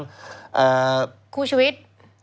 คู่ชีวิต